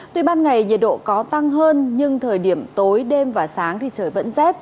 tuy ban ngày nhiệt độ có tăng hơn nhưng thời điểm tối đêm và sáng thì trời vẫn rét